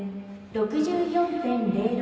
６４．０６。